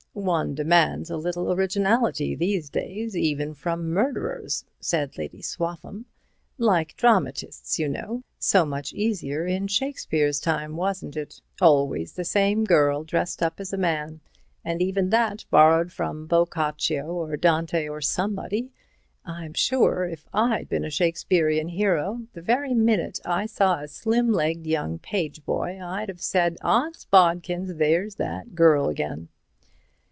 "One demands a little originality in these days, even from murderers," said Lady Swaffham. "Like dramatists, you know—so much easier in Shakespeare's time, wasn't it? Always the same girl dressed up as a man, and even that borrowed from Boccaccio or Dante or somebody. I'm sure if I'd been a Shakespeare hero, the very minute I saw a slim legged young page boy I'd have said: 'Ods bodikins! There's that girl again!'"